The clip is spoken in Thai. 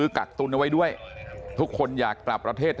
พวกมันกลับมาเมื่อเวลาที่สุดพวกมันกลับมาเมื่อเวลาที่สุด